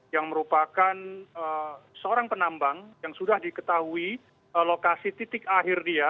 yang merupakan seorang penambang yang sudah diketahui lokasi titik akhir dia